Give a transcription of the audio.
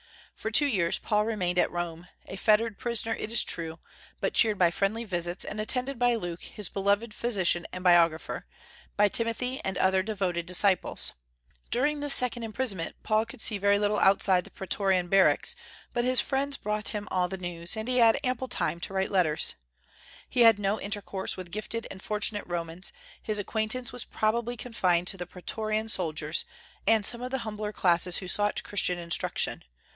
For two years Paul remained at Rome, a fettered prisoner it is true, but cheered by friendly visits, and attended by Luke, his "beloved physician" and biographer, by Timothy and other devoted disciples. During this second imprisonment Paul could see very little outside the praetorian barracks, but his friends brought him the news, and he had ample time to write letters. He had no intercourse with gifted and fortunate Romans; his acquaintance was probably confined to the praetorian soldiers, and some of the humbler classes who sought Christian instruction.